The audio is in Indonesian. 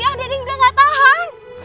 ah dede udah gak tahan